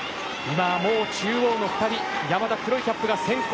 中央の２人山田、黒いキャップが先行。